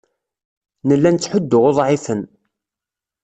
Nella nettḥuddu uḍɛifen.